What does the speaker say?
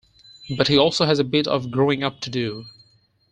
But he also has a bit of growing up to do.